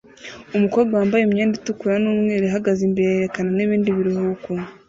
Umukobwa wambaye imyenda itukura numweru ihagaze imbere yerekana nibindi biruhuko